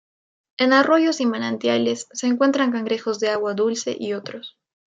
En arroyos y manantiales se encuentran cangrejos de agua dulce y otros.